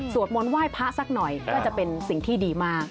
มนต์ไหว้พระสักหน่อยก็จะเป็นสิ่งที่ดีมาก